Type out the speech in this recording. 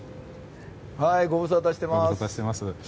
ご無沙汰しています。